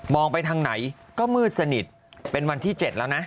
ไปทางไหนก็มืดสนิทเป็นวันที่๗แล้วนะ